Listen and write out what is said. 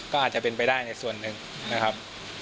ก็อาจจะเป็นไปได้ในส่วนหนึ่งนะครับ